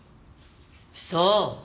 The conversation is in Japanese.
そう。